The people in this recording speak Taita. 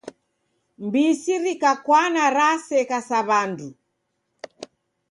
Mbisi rikakwana raseka sa W'andu.